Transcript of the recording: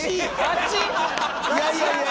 いやいやいや。